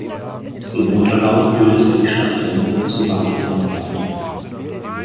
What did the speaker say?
Im Unterlauf bildet er die Stadtgrenze zu Radevormwald.